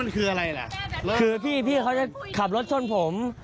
คือพี่เขาจะขับรถชนผม